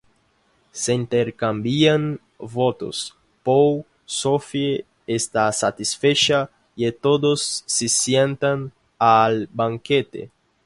Se intercambian votos, Poll Sophie está satisfecha, y todos se sientan al banquete.